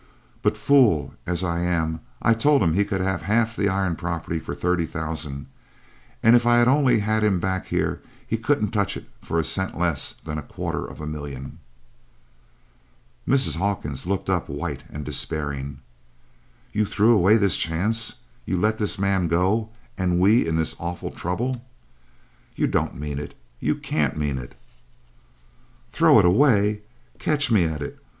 But fool as I am I told him he could have half the iron property for thirty thousand and if I only had him back here he couldn't touch it for a cent less than a quarter of a million!" Mrs. Hawkins looked up white and despairing: "You threw away this chance, you let this man go, and we in this awful trouble? You don't mean it, you can't mean it!" "Throw it away? Catch me at it!